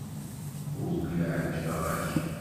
Ur lliɣ ɛejbeɣ-ak.